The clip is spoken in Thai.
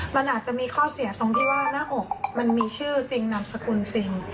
มันอาจจะมีข้อเสียตรงที่ว่าหน้าอกมันมีชื่อจริงนามสกุลจริง